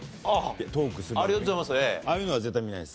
ああいうのは絶対見ないです。